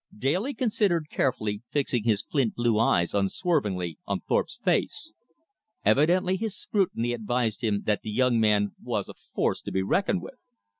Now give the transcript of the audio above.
Daly considered carefully, fixing his flint blue eyes unswervingly on Thorpe's face. Evidently his scrutiny advised him that the young man was a force to be reckoned with.